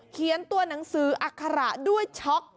ตัวหนังสืออัคระด้วยช็อก